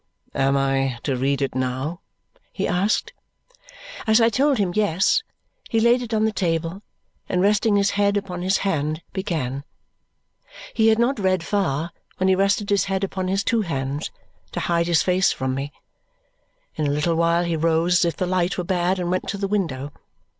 "Am I to read it now?" he asked. As I told him yes, he laid it on the table, and resting his head upon his hand, began. He had not read far when he rested his head upon his two hands to hide his face from me. In a little while he rose as if the light were bad and went to the window.